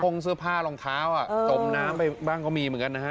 เสื้อผ้ารองเท้าจมน้ำไปบ้างก็มีเหมือนกันนะฮะ